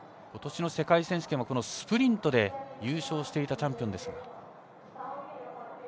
今年の世界選手権、スプリントで優勝していたチャンピオンです。